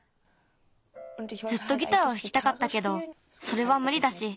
ずっとギターをひきたかったけどそれはむりだし。